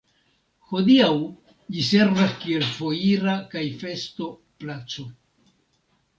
Hodiaŭ ĝi servas kiel foira kaj festo-placo.